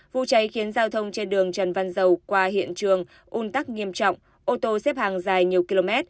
vụ cháy khiến giao thông trên đường trần văn dầu qua hiện trường un tắc nghiêm trọng ô tô xếp hàng dài nhiều km